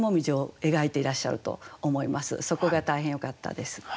そこが大変よかったです。